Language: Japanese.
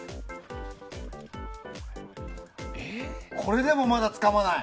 これでも、まだつかまない。